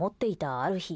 ある日。